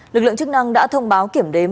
lực lượng chức năng đã thông báo kiểm đếm